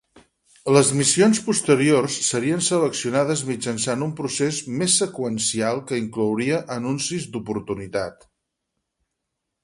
Les missions posteriors serien seleccionades mitjançant un procés més seqüencial que inclouria Anuncis d'oportunitat.